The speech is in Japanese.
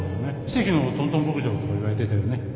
「奇跡のトントン牧場」とかいわれてたよね。